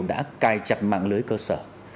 đã cai chặt mạng lưới cơ sở